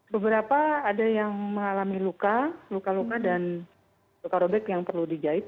beberapa ada yang mengalami luka luka luka dan luka robek yang perlu dijahit